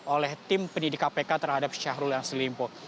oleh tim pendidik kpk terhadap syahrul yassin limpo